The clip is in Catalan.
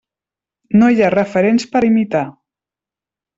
No hi ha referents per a imitar.